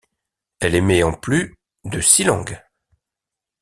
Elle émet en plus de six langues.